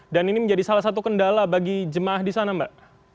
dan ini menjadi salah satu kendala bagi jemaah di sana mbak